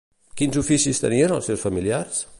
Quins oficis tenien els seus familiars?